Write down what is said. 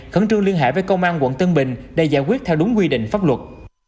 khẩn trương liên hệ với công an quận tân bình để giải quyết theo đúng quy định pháp luật